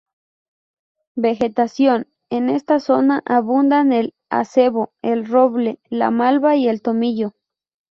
Vegetación: en esta zona abundan el acebo, el roble, la malva y el tomillo.